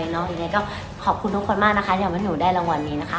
ยังไงก็ขอบคุณทุกคนมากนะคะที่ทำให้หนูได้รางวัลนี้นะคะ